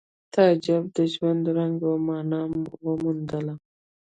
تعجب د ژوند رنګ او مانا وموندله